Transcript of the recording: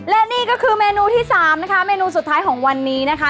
และนี่ก็คือเมนูที่สามนะคะเมนูสุดท้ายของวันนี้นะคะ